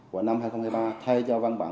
của năm hai nghìn hai mươi ba thay cho văn bản